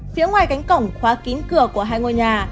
phía ngoài cánh cổng khóa kín cửa của hai ngôi nhà